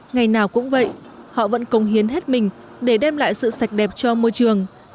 ngày nào cũng vậy họ vẫn công hiến hết mình để đem lại sự sạch đẹp cho môi trường